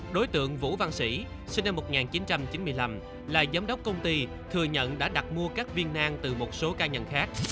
đối tượng vũ văn sĩ sinh năm một nghìn chín trăm chín mươi năm là giám đốc công ty thừa nhận đã đặt mua các viên nang từ một số ca nhân khác